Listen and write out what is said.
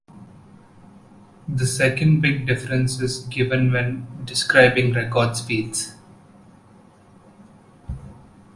The second big difference is given when describing record speeds.